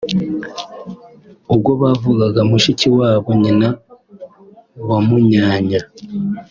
Ubwo bavugaga mushiki wabo nyina wa Munyanya